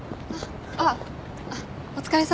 あっお疲れさま。